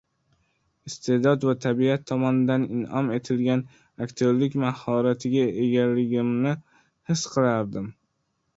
Iste’dod va tabiat tomonidan in’om etilgan aktyorlik mahoratiga egaligimni his qilardim.